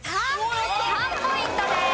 ３。３ポイントです。